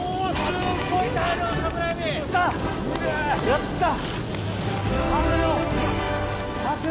やった！